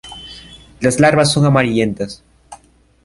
Las larvas son amarillentas..